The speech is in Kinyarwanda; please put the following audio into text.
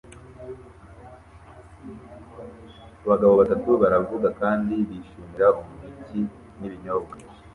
Abagabo batatu baravuga kandi bishimira umuziki n'ibinyobwa